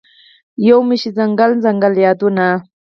یومي شي ځنګل، ځنګل یادونوته